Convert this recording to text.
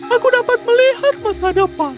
aku dapat melihat masa depan